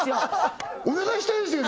お願いしたいですよね